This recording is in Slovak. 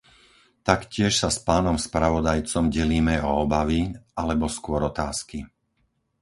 Taktiež sa s pánom spravodajcom delíme o obavy alebo skôr otázky.